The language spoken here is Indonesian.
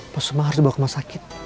pas semua harus dibawa ke masyarakat